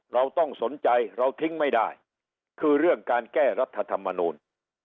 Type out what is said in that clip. เราต้องสนใจเราทิ้งไม่ได้คือเรื่องการแก้รัฐธรรมนูล